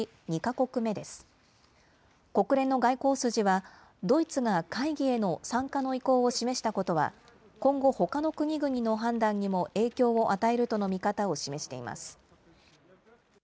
国連の外交筋は、ドイツが会議への参加の意向を示したことは、今後、ほかの国々の判断にも影響を与えるとの見方を示しています。